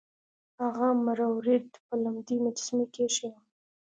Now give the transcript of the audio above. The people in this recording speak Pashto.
هغه مروارید په لمدې مجسمې کې ایښی و.